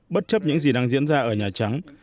bất chấp những gì đang diễn ra ở nhà trắng